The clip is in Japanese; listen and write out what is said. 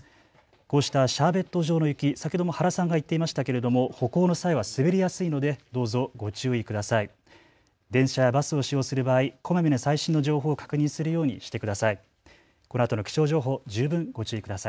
こうしたシャーベット状の雪、先ほど、原さんも言っていましたけれども歩行の際は滑りやすいのでどうぞご注意ください。